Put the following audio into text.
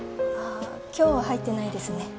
あっ今日は入ってないですね